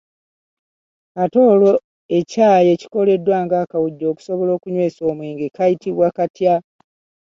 Ate olwo ekyayi ekikoleddwa ng'akawujjo okusobola okukinywesa omwenge kayitibwa katya?